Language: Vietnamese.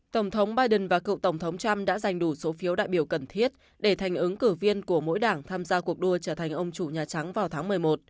tổng thống biden và cựu tổng thống trump đã giành đủ số phiếu đại biểu cần thiết để thành ứng cử viên của mỗi đảng tham gia cuộc đua trở thành ông chủ nhà trắng vào tháng một mươi một